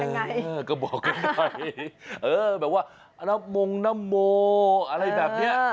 เออก็บอกกันหน่อยเออแบบว่าน้ำมงน้ำโมอะไรแบบนี้